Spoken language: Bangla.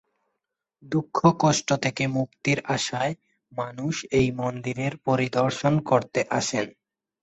দুঃখ-কষ্ট থেকে মুক্তির আশায় মানুষ এই মন্দিরের পরিদর্শন করতে আসেন।